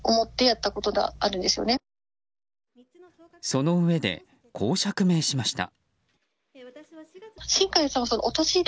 そのうえで、こう釈明しました。